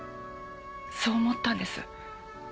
そう思ったんです。